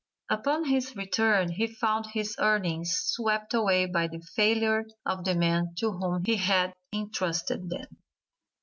Upon his return he found his earnings swept away by the failure of the man to whom he had intrusted them.